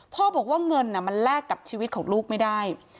พ่อบอกว่าเงินมันแลกกับชีวิตของลูกไม่ได้